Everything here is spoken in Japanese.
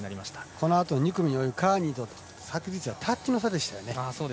このあと２組にいるカーニーとタッチの差でしたね。